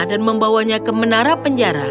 dan membawanya ke menara penjara